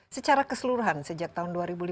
secara keseluruhan sejak tahun dua ribu lima belas